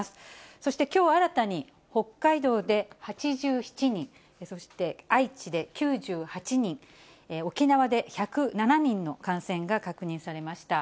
そしてきょう新たに北海道で８７人、そして愛知で９８人、沖縄で１０７人の感染が確認されました。